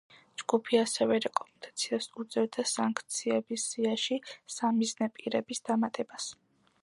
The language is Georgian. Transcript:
ჯგუფი ასევე რეკომენდაციას უწევდა სანქციების სიაში სამიზნე პირების დამატებას.